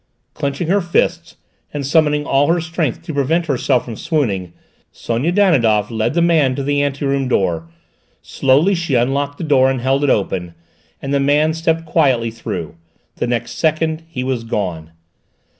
Clenching her fists, and summoning all her strength to prevent herself from swooning, Sonia Danidoff led the man to the anteroom door. Slowly she unlocked the door and held it open, and the man stepped quietly through. The next second he was gone!